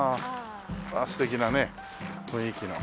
ああ素敵なね雰囲気の。